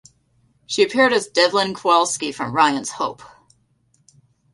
She appeared as Devlin Kowalski from "Ryan's Hope".